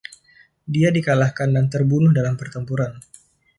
Dia dikalahkan dan terbunuh dalam pertempuran itu.